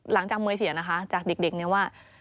หลังจากเมื่อเสียจากเด็กนี่ว่า